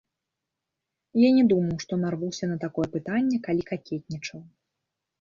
Я не думаў, што нарвуся на такое пытанне, калі какетнічаў.